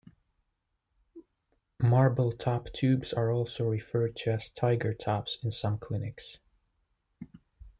Marble-top tubes are also referred to as "tiger-tops" in some clinics.